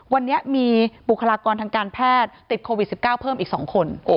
วันนี้มีบุคลากรทางการแพทย์ติดโควิด๑๙เพิ่มอีก๒คน